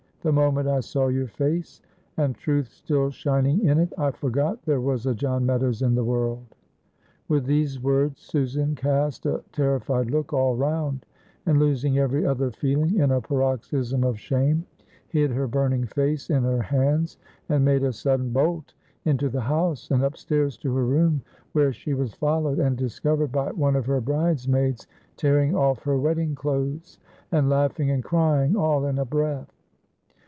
The moment I saw your face, and truth still shining in it, I forgot there was a John Meadows in the world!" With these words Susan cast a terrified look all round, and, losing every other feeling in a paroxysm of shame, hid her burning face in her hands, and made a sudden bolt into the house and upstairs to her room, where she was followed and discovered by one of her bridesmaids tearing off her wedding clothes, and laughing and crying all in a breath.